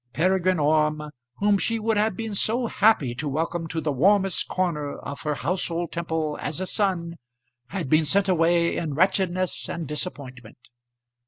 Peregrine Orme, whom she would have been so happy to welcome to the warmest corner of her household temple as a son, had been sent away in wretchedness and disappointment.